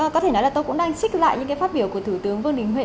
có thể nói là tôi cũng đang xích lại những cái phát biểu của thủ tướng vương đình huệ